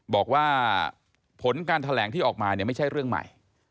บอกว่าผลการแถลงที่ออกมาเนี่ยไม่ใช่เรื่องใหม่